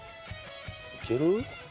いける？